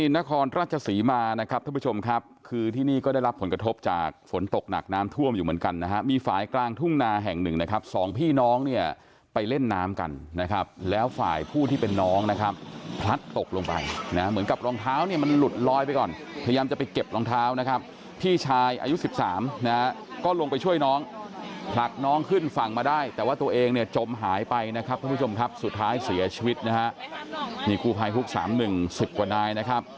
นครราชศรีมานะครับท่านผู้ชมครับคือที่นี่ก็ได้รับผลกระทบจากฝนตกหนักน้ำท่วมอยู่เหมือนกันนะครับมีฝ่ายกลางทุ่งนาแห่งหนึ่งนะครับสองพี่น้องเนี่ยไปเล่นน้ำกันนะครับแล้วฝ่ายผู้ที่เป็นน้องนะครับพลัดตกลงไปนะเหมือนกับรองเท้าเนี่ยมันหลุดลอยไปก่อนพยายามจะไปเก็บรองเท้านะครับพี่ชายอายุ๑๓นะก็ลงไปช่วย